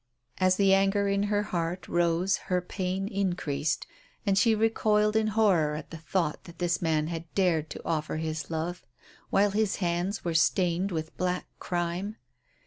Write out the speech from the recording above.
As the anger in her heart rose her pain increased, and she recoiled in horror at the thought that this man had dared to offer her his love while his hands were stained with black crime.